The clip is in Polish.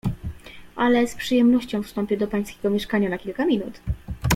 "Ale z przyjemnością wstąpię do pańskiego mieszkania na kilka minut."